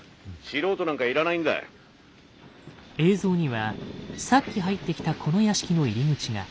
映像にはさっき入ってきたこの屋敷の入り口が。